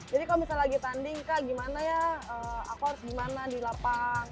jadi kalau misalnya lagi tanding kak gimana ya aku harus gimana di lapang